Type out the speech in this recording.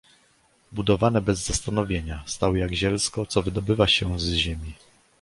"Budowane bez zastanowienia, stały jak zielsko, co wydobywa się z ziemi."